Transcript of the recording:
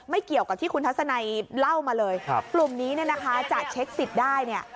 เกี่ยวกับที่คุณทัศนัยเล่ามาเลยกลุ่มนี้เนี่ยนะคะจะเช็คสิทธิ์ได้เนี่ย